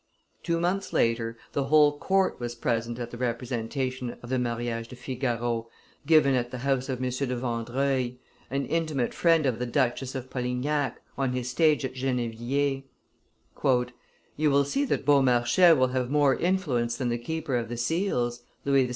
Two months later, the whole court was present at the representation of the Mariage de Figaro, given at the house of M. de Vandreuil, an intimate friend of the Duchess of Polignac, on his stage at Gennevilliers. "You will see that Beaumarchais will have more influence than the keeper of the seals," Louis XVI.